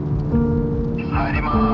「入ります」。